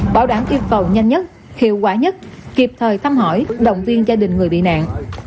bảo đảm yêu cầu nhanh nhất hiệu quả nhất kịp thời thăm hỏi động viên gia đình người bị nạn